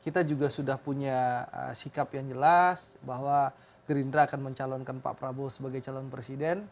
kita juga sudah punya sikap yang jelas bahwa gerindra akan mencalonkan pak prabowo sebagai calon presiden